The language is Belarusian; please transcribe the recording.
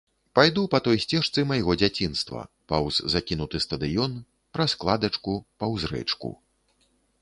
Пайду па той сцежцы майго дзяцінства, паўз закінуты стадыён, праз кладачку, паўз рэчку.